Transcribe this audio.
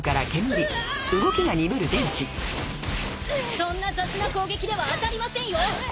そんな雑な攻撃では当たりませんよ。